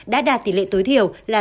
đã đạt tỷ lệ tối thiểu là tám mươi